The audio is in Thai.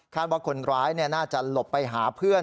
ว่าคนร้ายน่าจะหลบไปหาเพื่อน